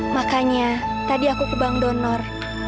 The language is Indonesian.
makanya tadi aku kebang donor